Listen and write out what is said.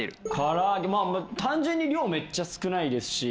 まあもう単純に量めっちゃ少ないですし。